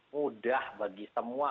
mudah bagi semua